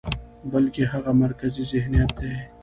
بلکې هغه مرکزي ذهنيت دى،